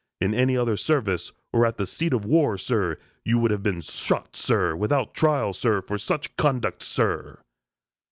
In any other service, or at the seat of war, sir, you would have been shot, sir, without trial, sir, for such conduct, sir."